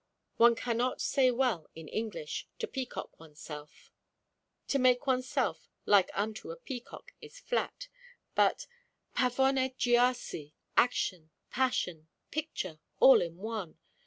One cannot say well in English, to peacock oneself. To make oneself like unto a peacock is flat; but pavoneggiarsi action, passion, picture, all in one!